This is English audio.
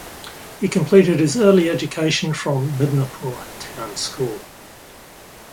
He completed his early education from Midnapur Town School.